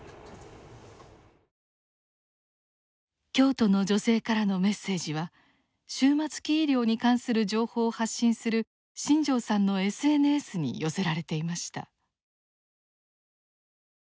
京都の女性からのメッセージは終末期医療に関する情報を発信する新城さんのＳＮＳに寄せられていました。